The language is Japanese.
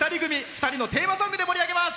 ２人のテーマソングで盛り上げます。